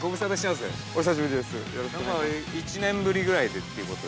◆１年ぶりぐらいでということで。